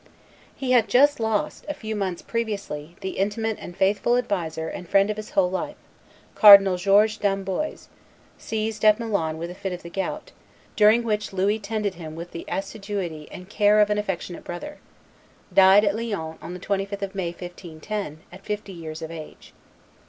He had just lost, a few months previously, the intimate and faithful adviser and friend of his whole life: Cardinal George d'Amboise, seized at Milan with a fit of the gout, during which Louis tended him with the assiduity and care of an affectionate brother, died at Lyons on the 25th of May, 1510, at fifty years of age.